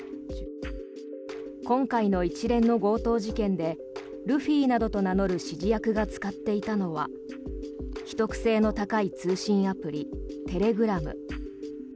今回の一連の強盗事件でルフィなどと名乗る指示役が使っていたのは秘匿性の高い通信アプリテレグラム。